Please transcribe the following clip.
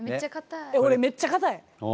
オレめっちゃかたい。